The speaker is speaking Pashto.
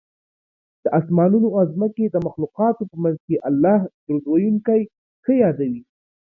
د اسمانونو او ځمکې د مخلوقاتو په منځ کې الله درود ویونکی ښه یادوي